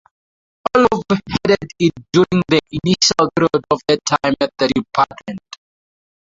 Orlov headed it during the initial period of her time at the department.